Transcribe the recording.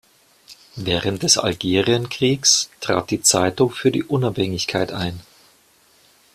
Während des Algerienkriegs trat die Zeitung für die Unabhängigkeit ein.